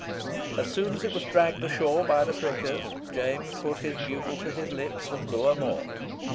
As soon as it was dragged ashore by the prickers, James put his bugle to his lips and blew a mort.